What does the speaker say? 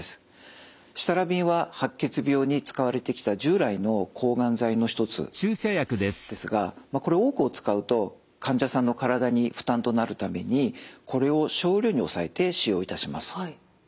シタラビンは白血病に使われてきた従来の抗がん剤の一つですがこれ多くを使うと患者さんの体に負担となるためにこれを少量に抑えて使用いたします。